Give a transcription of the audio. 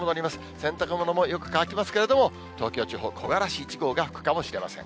洗濯物もよく乾きますけれども、東京地方、木枯らし１号が吹くかもしれません。